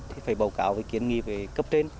thì phải bầu cáo về kiến nghị về cấp trên